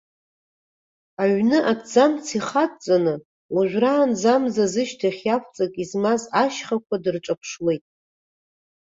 Аҩны аҭӡамц ихы адҵаны, уажәраанӡа амза зышьҭахь иавҵак измаз ашьхақәа дырҿаԥшуеит.